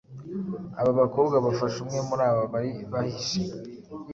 Aba bakobwa bafashe umwe muri aba bari bahishe,